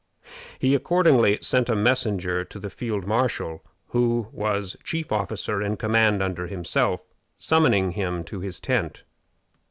He accordingly sent a messenger to the field marshal, who was chief officer in command under himself, summoning him to his tent.